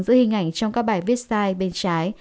giữ hình ảnh trong các bài viết sai bên trái